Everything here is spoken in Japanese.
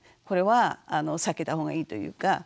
これは避けた方がいいというか。